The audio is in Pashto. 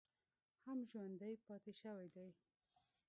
هم ژوندی پاتې شوی دی